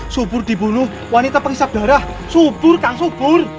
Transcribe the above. subur dibunuh wanita penghisap darah subur kang subur